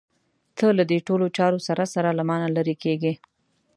ته له دې ټولو چارو سره سره له مانه لرې کېږې.